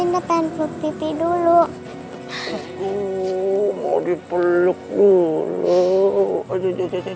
indah pengen peluk pipi dulu mau dipeluk dulu